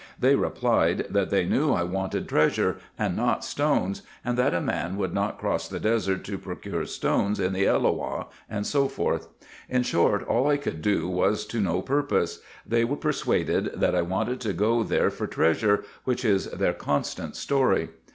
They replied, that they knew I wanted treasure, and not stones, and that a man would not cross the desert to procure stones in the Elloah, &c. In short, all I could do was to no purpose ; they were persuaded that I wanted to go there for treasure, which is their constant story.